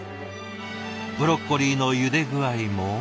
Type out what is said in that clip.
ブロッコリーのゆで具合も。